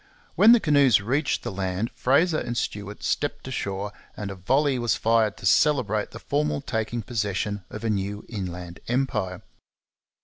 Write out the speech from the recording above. When the canoes reached the land Fraser and Stuart stepped ashore, and a volley was fired to celebrate the formal taking possession of a new inland empire.